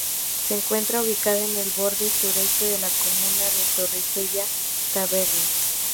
Se encuentra ubicada en el borde sureste de la comuna de Torricella-Taverne.